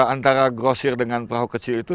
antara grosir dengan perahu kecil itu